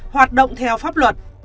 hoạt động theo pháp luật